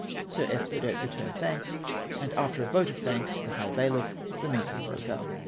Sir F. Burdett returned thanks ; and, after a vote of thanks to the high bailiff, the meeting broke up.